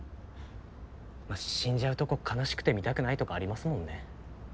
まあ死んじゃうとこ哀しくて見たくないとかありますもんね。